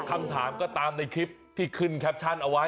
คำถามก็ตามในคลิปที่ขึ้นแคปชั่นเอาไว้